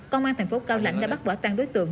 công an thành phố cao lãnh đã bắt quả tăng đối tượng